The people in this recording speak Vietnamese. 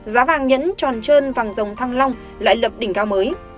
giá vàng nhẫn tròn trơn vàng dòng thăng long lại lập đỉnh cao mới